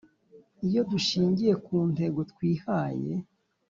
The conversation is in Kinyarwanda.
iyo dushingiye kuntego twihaye